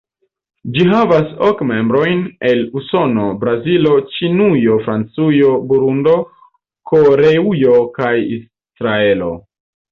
Ĝi havas ok membrojn, el Usono, Brazilo, Ĉinujo, Francujo, Burundo, Koreujo kaj Israelo.